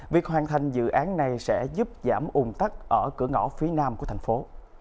việc hoàn thành dự án này sẽ giúp giảm ủng tắc ở cửa ngõ phía nam của thành phố